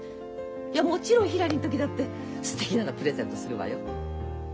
いやもちろんひらりの時だってすてきなのプレゼントするわよ。